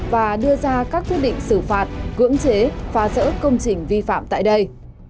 và đưa ra các quyết định xử phạt cưỡng chế phá rỡ công trình vi phạm tại đây